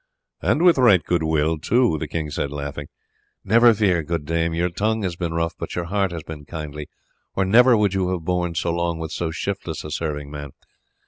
"And with right good will too," the king said laughing. "Never fear, good dame, your tongue has been rough but your heart has been kindly, or never would you have borne so long with so shiftless a serving man.